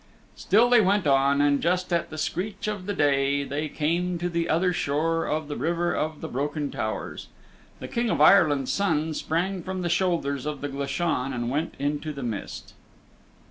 Still they went on, and just at the screech of the day they came to the other shore of the River of the Broken Towers. The King of Ireland's Son sprang from the shoulders of the Glashan and went into the mist.